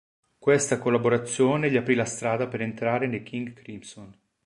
Questa collaborazione gli aprì la strada per entrare nei King Crimson.